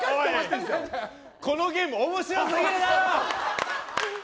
このゲーム面白すぎるだろ！